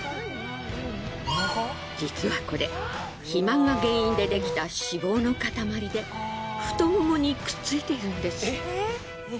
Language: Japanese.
実はこれ肥満が原因でできた脂肪の塊で太ももにくっついているんです。